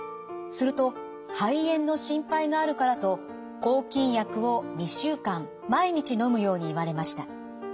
すると肺炎の心配があるからと抗菌薬を２週間毎日のむように言われました。